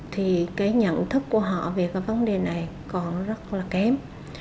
thì nhận thức của họ về vấn đề này còn rất là kém